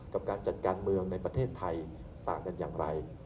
กับการจัดการเมืองในประเทศไทยต่างกันอย่างไร